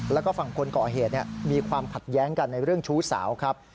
แล้วก็ฝั่งคนก่อเหตุมีความขัดแย้งกันในเรื่องชู้สาวครับ